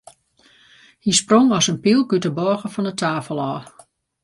Hy sprong as in pylk út de bôge fan de tafel ôf.